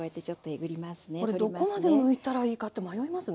どこまでむいたらいいかって迷いますね。